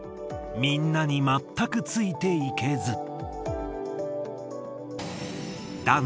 みんなにまったくついていけず。